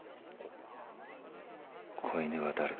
子犬は誰だ？